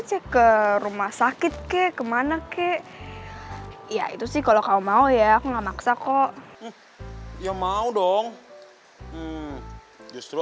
sih ke rumah sakit kek kemana kek ya itu sih kalau kau mau ya aku nggak maksa kok ya mau dong justru